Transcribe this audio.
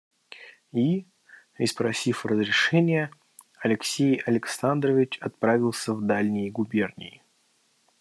И, испросив разрешение, Алексей Александрович отправился в дальние губернии.